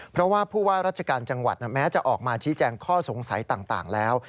เพราะว่าผู้ว่าราชการจังหวัดแม้จะออกมาชี้แจงข้อสงสัยต่างแล้ว